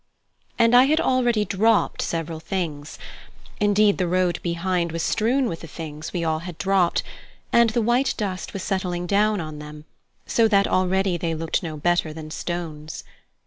And I had already dropped several things indeed, the road behind was strewn with the things we all had dropped; and the white dust was settling down on them, so that already they looked no better than stones.